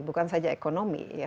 bukan saja ekonomi ya